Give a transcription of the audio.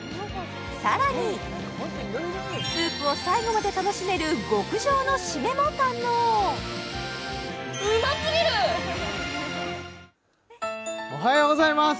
さらにスープを最後まで楽しめる極上の締めも堪能おはようございます